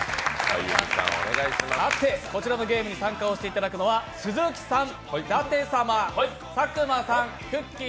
さて、こちらのゲームに参加をしていただくのは鈴木さん、舘様、佐久間さん、くっきー！